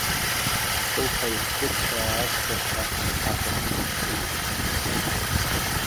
Ихылԥа ихкәыцәаа ашырҳәа ашәахь днаԥшит.